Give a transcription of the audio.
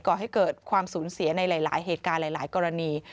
ก่อให้เกิดความสูญเสียในหลายเหตุการณ์หลายกรณี